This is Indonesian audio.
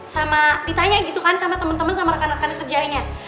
sama ditanya gitu kan sama teman teman sama rekan rekan kerjanya